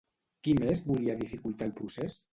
Qui més volia dificultar el procés?